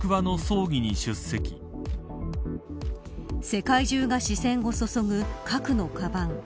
世界中が視線を注ぐ核のカバン。